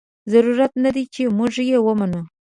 ضرور نه ده چې موږ یې ومنو.